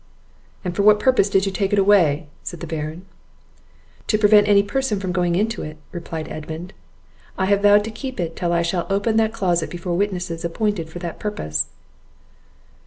"And for what purpose did you take it away?" said the Baron. "To prevent any person from going into it," replied Edmund; "I have vowed to keep it till I shall open that closet before witnesses appointed for that purpose."